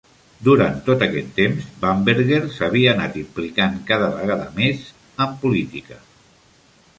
Durant tot aquest temps, Bamberger s'havia anat implicant cada vegada més en política.